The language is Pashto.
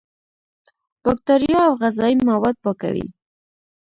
بکتریا او غذایي مواد پاکوي.